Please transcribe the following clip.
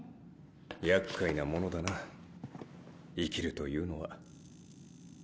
厄介なものだな生きるというのは。